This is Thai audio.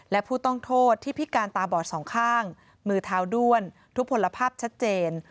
และผู้ต้องโทษที่พิการตาบอดสองข้างมือเท้าด้วนทุกผลภาพชัดเจน